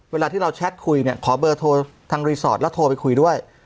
เวลาที่เราแชทคุยเนี่ยขอเบอร์โทรทางรีสอร์ทแล้วโทรไปคุยด้วย